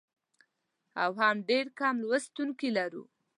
او هم ډېر کم لوستونکي لرو.